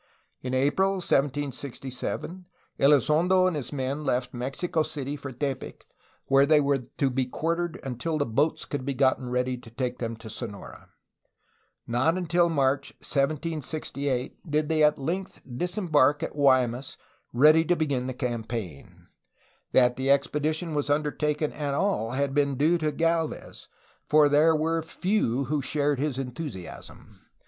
In April 1767 EUzondo and his men left Mexico City for Tepic, where they were to be quartered until the boats could be gotten ready to take them to Sonora. Not until March 1768 did they at length disembark atGuaymas ready to begin the campaign. That the expedition was undertaken at all had been due to Gdlvez, for there were few who shared his enthusiasm.